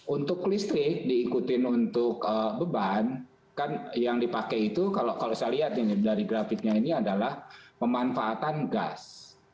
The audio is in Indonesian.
untuk listrik diikutin untuk beban kan yang dipakai itu kalau saya lihat ini dari grafiknya ini adalah pemanfaatan gas